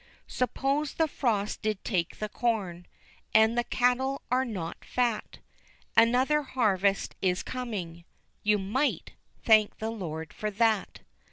Suppose the frost did take the corn, And the cattle are not fat, Another harvest is coming You might thank the Lord for that.